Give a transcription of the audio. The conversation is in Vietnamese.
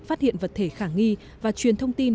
phát hiện vật thể khả nghi và truyền thông kinh tế